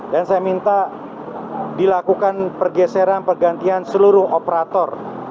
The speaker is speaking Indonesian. dan saya minta dilakukan pergeseran pergantian seluruh operator